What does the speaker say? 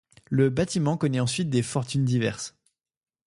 Le bâtiment connaît ensuite des fortunes diverses.